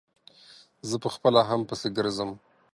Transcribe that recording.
زه په خپله هم پسې ګرځم.